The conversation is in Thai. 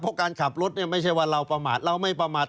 เพราะการขับรถเนี่ยไม่ใช่ว่าเราประมาทเราไม่ประมาท